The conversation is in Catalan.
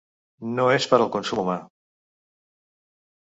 No és per al consum humà.